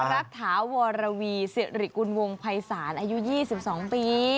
รัฐถาวรวีสิริกุลวงภัยศาลอายุ๒๒ปี